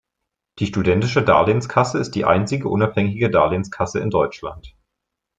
Die Studentische Darlehnskasse ist die einzige unabhängige Darlehenskasse in Deutschland.